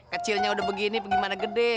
kecilnya udah begini bagaimana gede